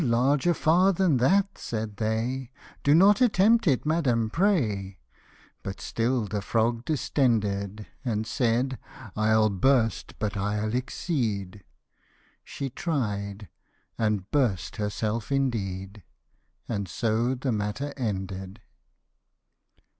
larger far than that," said they, " Do not attempt it, madam, pray ;" But still the frog distended, And said, " I'll burst, but I'll exceed," She tried, and burst herself indeed ! And so the matter ended.